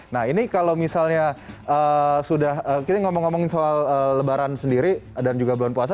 nah ini kalau misalnya sudah kita ngomong ngomongin soal lebaran sendiri dan juga bulan puasa